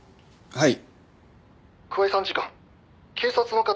「はい」